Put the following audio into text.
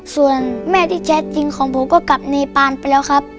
ส่วนแม่ที่แท้จริงของผมก็กลับเนปานไปแล้วครับ